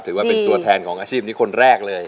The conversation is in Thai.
ถือว่าเป็นตัวแทนของอาชีพนี้คนแรกเลย